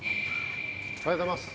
おはようございます。